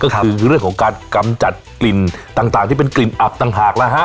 ก็คือเรื่องของการกำจัดกลิ่นต่างที่เป็นกลิ่นอับต่างหากแล้วฮะ